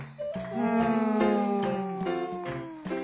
うん。